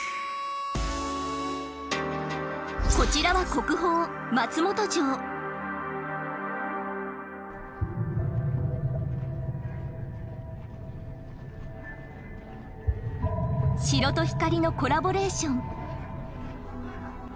こちらは国宝城と光のコラボレーション。